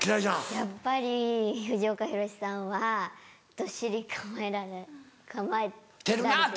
やっぱり藤岡弘、さんはどっしり構えられてて。